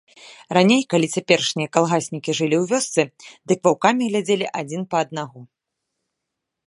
Раней, калі цяперашнія калгаснікі жылі ў вёсцы, дык ваўкамі глядзелі адзін па аднаго.